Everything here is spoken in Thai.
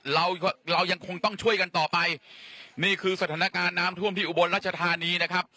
เราเรายังคงต้องช่วยกันต่อไปนี่คือสถานการณ์น้ำท่วมที่อุบลรัชธานีนะครับ